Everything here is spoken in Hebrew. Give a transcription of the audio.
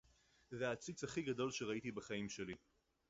זה העציץ הכי גדול שראיתי בחיים שלי.